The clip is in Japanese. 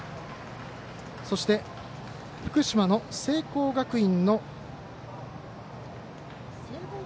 そして、福島の聖光学院。